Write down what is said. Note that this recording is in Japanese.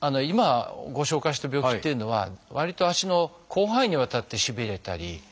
今ご紹介した病気っていうのはわりと足の広範囲にわたってしびれたり。